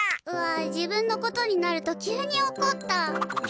うわ自分のことになると急におこった。